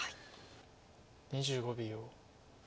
２５秒。